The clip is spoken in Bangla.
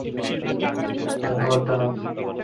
ধন্যবাদ, জনাব।